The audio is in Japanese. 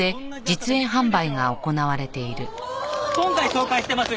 今回紹介してます